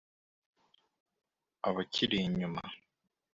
abakiri inyuma